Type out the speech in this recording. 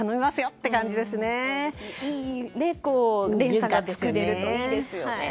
いい連鎖が作れるといいですよね。